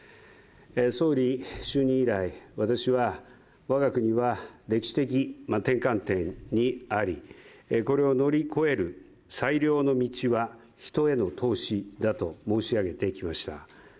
総理就任以来、私は我が国は歴史的な転換点にありこれを乗り越える最良の道は人への投資だと申し上げてきました。